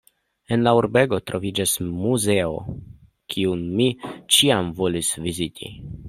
En la urbego troviĝas muzeo, kiun mi ĉiam volis viziti.